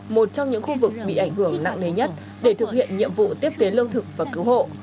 một trong những khu vực bị ảnh hưởng nặng nề nhất để thực hiện nhiệm vụ tiếp tế lương thực và cứu hộ